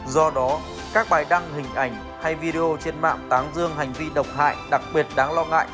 do đó các bài đăng hình ảnh hay video trên mạng táng dương hành vi độc hại đặc biệt đáng lo ngại